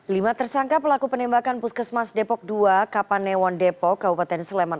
lima tersangka pelaku penembakan puskesmas depok dua kapanewon depok kabupaten sleman